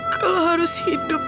kalau harus hidup